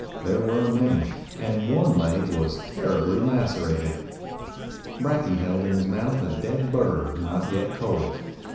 There were many, and one leg was terribly lacerated. Brakje held in his mouth a dead bird, not yet cold.